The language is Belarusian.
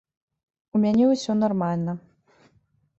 У мяне ўсё нармальна.